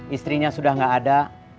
istrinya sudah gak ada